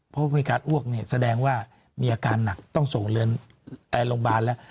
เพราะบริการอ้วกเนี่ยแสดงว่ามีอาการหนักต้องส่งเรือนโรงพยาบาลแล้ว